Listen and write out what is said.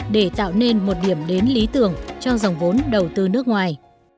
để tạo nên một điểm đến lý tưởng cho dòng vốn đầu tư nước ngoài